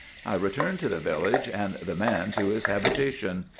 I returned to the village, and the man to his habitation.